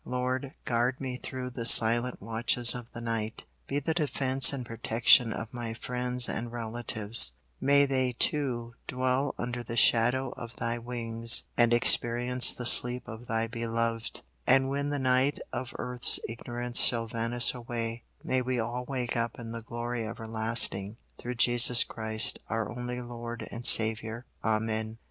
Lord, guard me through the silent watches of the night; be the defence and protection of my friends and relatives; may they too dwell under the shadow of Thy wings and experience the sleep of Thy beloved; and when the night of earth's ignorance shall vanish away, may we all wake up in glory everlasting, through Jesus Christ, our only Lord and Saviour. Amen.